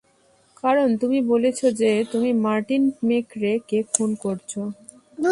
কারণ তুমি বলেছো যে, তুমি মার্টিন মেক্রে কে খুন করছো।